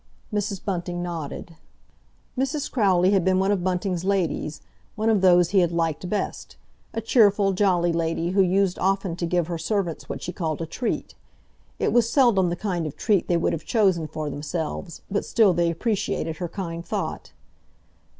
Mrs. Bunting nodded. Mrs. Crowley had been one of Bunting's ladies, one of those he had liked best—a cheerful, jolly lady, who used often to give her servants what she called a treat. It was seldom the kind of treat they would have chosen for themselves, but still they appreciated her kind thought.